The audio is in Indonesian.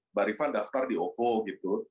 mbak rifan daftar di ovo gitu